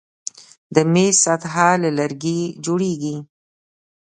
د میز سطحه له لرګي جوړیږي.